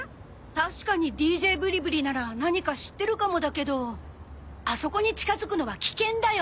確かにＤＪぶりぶりなら何か知ってるかもだけどあそこに近づくのは危険だよ！